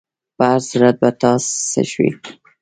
په هر صورت، په تا څه شوي؟